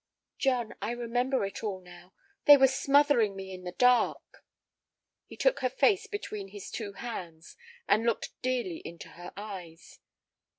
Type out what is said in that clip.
"John, I remember it all now—they were smothering me in the dark!" He took her face between his two hands, and looked dearly into her eyes.